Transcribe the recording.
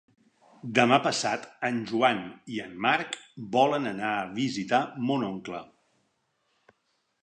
Demà passat en Joan i en Marc volen anar a visitar mon oncle.